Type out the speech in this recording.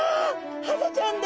ハゼちゃんです。